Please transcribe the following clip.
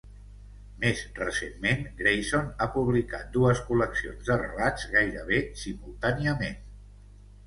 Més recentment, Grayson ha publicat dues col·leccions de relats gairebé simultàniament.